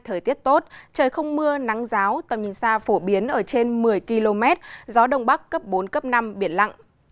thời tiết tốt trời không mưa nắng ráo tầm nhìn xa phổ biến ở trên một mươi km gió đông bắc cấp bốn cấp năm biển lặng